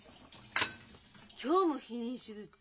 今日も避妊手術？